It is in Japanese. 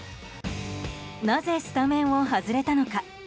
なぜスタメンを外れたのか。